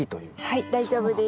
はい大丈夫です。